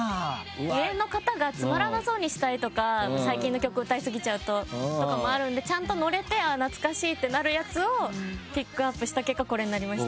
上の方がつまらなそうにしたりとか最近の曲歌いすぎちゃうととかもあるんでちゃんとノれて懐かしいってなるやつをピックアップした結果これになりました。